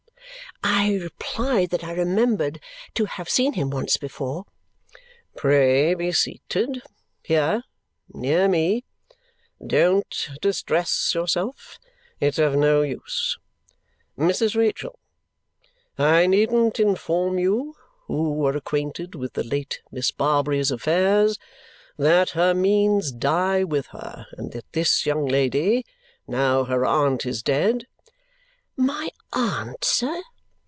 I replied that I remembered to have seen him once before. "Pray be seated here near me. Don't distress yourself; it's of no use. Mrs. Rachael, I needn't inform you who were acquainted with the late Miss Barbary's affairs, that her means die with her and that this young lady, now her aunt is dead " "My aunt, sir!"